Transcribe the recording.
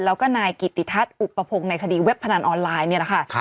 แล้วก็นายกิติทัศน์อุปพงศ์ในคดีเว็บพนันออนไลน์นี่แหละค่ะ